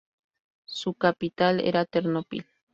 Su capital era Ternópil.